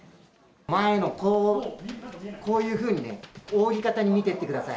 こういうふうにね、扇型に見ていってください。